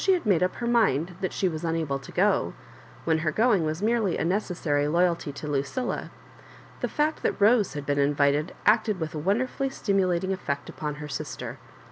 had made up her mind that she was unable to go^ when her going was merely a necessary loyalty to Lucilla, the fact that Rose had been inVited acted with a wonderfully stimulating effect upon her sister.